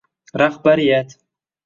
Rahbariyat